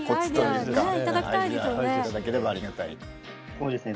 そうですね。